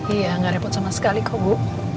iya nggak repot sama sekali kok bu